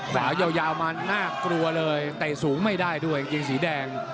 ยาวมาน่ากลัวเลยเตะสูงไม่ได้ด้วยกางเกงสีแดง